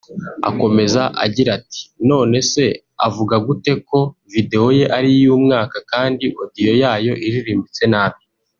Akomeza agira ati “Nonese avuga gute ko video ye ari iy’umwaka kandi audio yayo iririmbitse nabi